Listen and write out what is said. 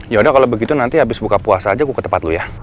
ya udah kalau begitu nanti abis buka puasa aja gue ke tempat lo ya